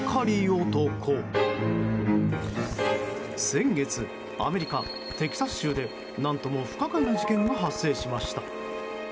先月、アメリカ・テキサス州で何とも不可解な事件が発生しました。